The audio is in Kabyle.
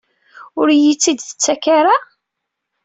Ur iyi-tt-id-tettak ara?